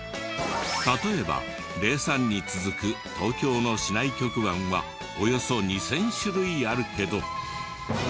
例えば０３に続く東京の市内局番はおよそ２０００種類あるけど。